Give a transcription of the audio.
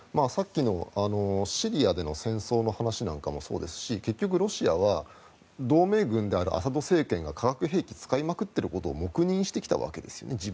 さっきのシリアでの戦争の話なんかもそうですし結局、ロシアは同盟軍であるアサド政権が化学兵器を使いまくっていることを黙認してきたわけですよね。